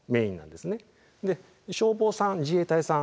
で消防さん自衛隊さん